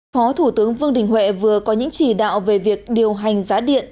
phó thủ tướng vương đình huệ vừa có những chỉ đạo về việc điều hành giá điện